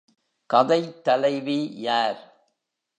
கதைத் தலைவி யார்?